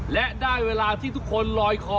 และได้เวลาที่ทุกคนลอยคอ